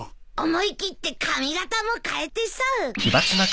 思い切って髪形も変えてさ。